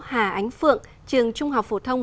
hà ánh phượng trường trung học phổ thông